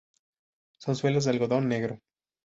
Son suelos de algodón negro.